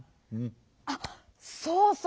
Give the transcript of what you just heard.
あっそうそう。